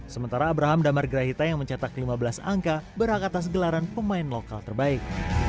sementara abraham damar grahita yang mencetak lima belas angka berhak atas gelaran pemain lokal terbaik